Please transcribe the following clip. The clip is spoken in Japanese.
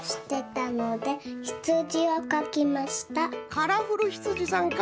カラフルひつじさんか！